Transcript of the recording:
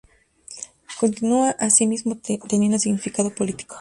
Continúa así mismo teniendo significado político.